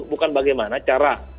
bukan bagaimana cara